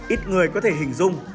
ít người có thể hình dung